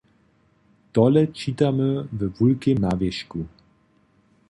Tole čitamy we wulkim nawěšku.